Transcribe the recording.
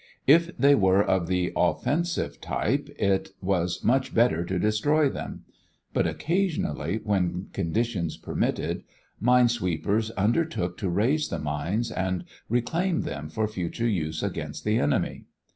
If they were of the offensive type, it was much better to destroy them. But occasionally, when conditions permitted, mine sweepers undertook to raise the mines and reclaim them for future use against the enemy.